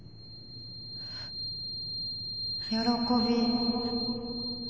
「喜び」。